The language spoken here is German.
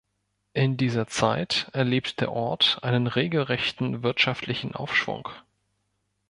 In dieser Zeit erlebt der Ort einen regelrechten wirtschaftlichen Aufschwung.